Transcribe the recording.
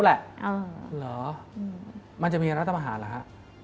เหรอมันจะมีรัฐประหารเหรอฮะ